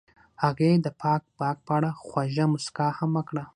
هغې د پاک باغ په اړه خوږه موسکا هم وکړه.